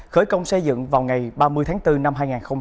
khởi công xây dựng vào ngày ba mươi tháng bốn năm hai nghìn hai mươi